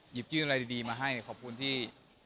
หยิบยื่นอะไรดีมาให้ขอบคุณที่